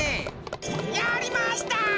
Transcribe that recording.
やりました！